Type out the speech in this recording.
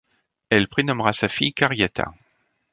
Elle prénommera sa fille Carrietta.